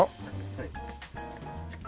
はい。